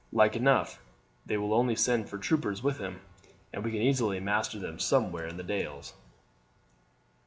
Like enough they will only send four troopers with him, and we can easily master them somewhere in the dales."